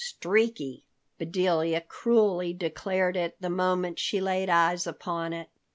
"Streaky," Bedelia cruelly declared it, the moment she laid eyes upon it.